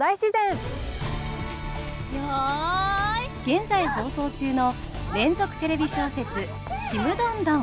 現在放送中の連続テレビ小説「ちむどんどん」。